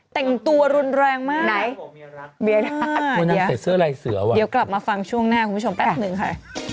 แต่งตัวรุนแรงมากวันนั้นใส่เสื้อไรเสือว่ะคุณผู้ชมแป๊บหนึ่งค่ะอ่าวไงวันนั้นใส่เสื้อไรเสื้อว่ะ